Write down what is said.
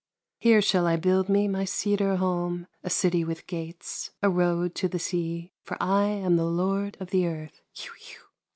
Here shall I build me my cedar home, A city with gates, a road to the sea — For I am the lord of the Earth